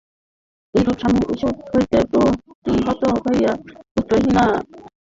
এইরূপ স্বামীসুখ হইতে প্রতিহত হইয়া পুত্রহীনা তরুণী ধর্মে মন দিল।